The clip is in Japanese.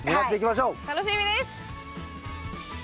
楽しみです！